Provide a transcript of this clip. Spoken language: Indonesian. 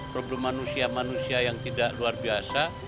problem manusia manusia yang tidak luar biasa